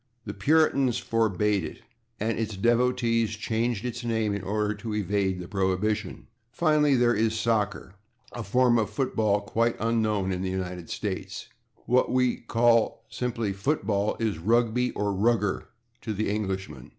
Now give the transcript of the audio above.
The Puritans forbade it, and its devotees changed its name in order to evade the prohibition. Finally, there is /soccer/, a form of football quite unknown in the United States. What we call simply football is /Rugby/ or /Rugger/ to the Englishman.